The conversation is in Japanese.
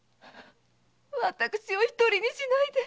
私を一人にしないで！